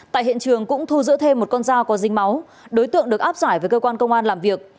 tại hiện trường cũng thu giữ thêm một con dao có dinh máu đối tượng được áp giải với cơ quan công an làm việc